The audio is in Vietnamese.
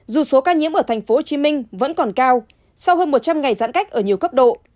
dù số ca nhiễm ở tp hcm vẫn còn cao sau hơn một trăm linh ngày giãn cách ở nhiều cấp độ